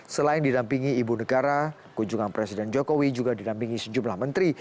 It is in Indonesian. selain didampingi ibu negara kunjungan presiden jokowi juga didampingi sejumlah menteri